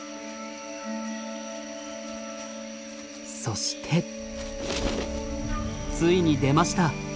そしてついに出ました。